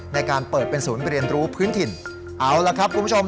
ในการเปิดเป็นศูนย์เรียนรู้พื้นถิ่นเอาล่ะครับคุณผู้ชม